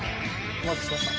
お待たせしました。